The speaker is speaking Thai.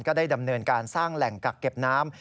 ได้ดำเนินการสร้างแหล่งกักเก็บน้ำ